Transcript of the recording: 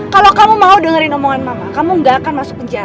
kalau kamu mau dengerin omongan mama kamu gak akan masuk penjara